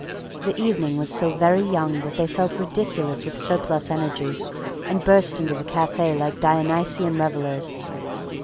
The evening was so very young that they felt ridiculous with surplus energy, and burst into the cafe like Dionysian revellers.